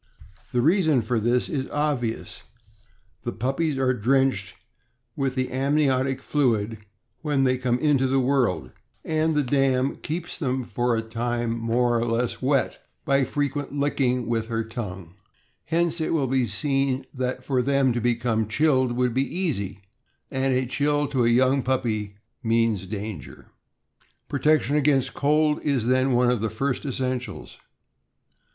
The reason for this is obvious— the puppies are drenched with the amniotic fluid when they come into the world, and the darn keeps them THE OLD ENGLISH SHEEP DOG. 523 for a time more or less wet by frequent licking with her tongue. Hence it will be seen that for them to become chilled would be easy; and a chill to a young puppy means danger. Protection against cold is, then, one of the first essen ti^ls.